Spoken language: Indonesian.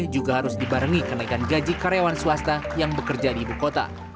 juga harus dibarengi kenaikan gaji karyawan swasta yang bekerja di ibu kota